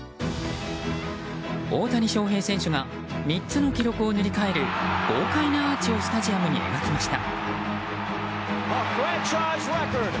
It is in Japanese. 大谷翔平選手が３つの記録を塗り替える豪快なアーチをスタジアムに描きました。